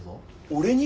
俺に！？